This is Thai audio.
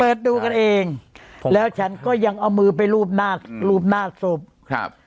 ดูกันเองแล้วฉันก็ยังเอามือไปรูปหน้ารูปหน้าศพครับ